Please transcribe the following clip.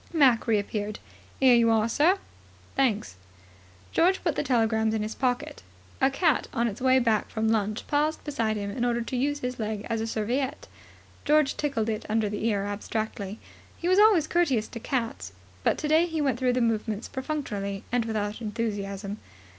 Mac reappeared. "Here you are, sir." "Thanks." George put the telegrams in his pocket. A cat, on its way back from lunch, paused beside him in order to use his leg as a serviette. George tickled it under the ear abstractedly. He was always courteous to cats, but today he went through the movements perfunctorily and without enthusiasm.